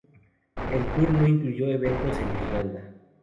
El tour no incluyó eventos en Irlanda.